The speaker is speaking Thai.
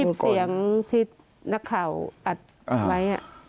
คลิปเสียงที่นักข่าวอัดไว้